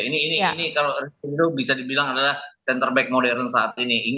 ini kalau cenderung bisa dibilang adalah center back modern saat ini